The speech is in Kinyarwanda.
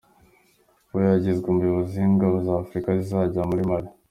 Buyoya yagizwe umuyobozi w’ingabo za Afurika zizajya muri Mali